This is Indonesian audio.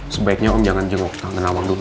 sebaiknya om jangan jenguk tangan nawang dulu